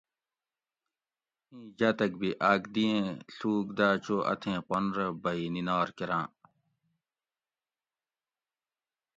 ایں جاتک بھی آک دیئن ڷوک داۤ چو اتھیں پن رہ بھیئ نِنار کراں